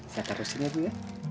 saya taruh sini dulu ya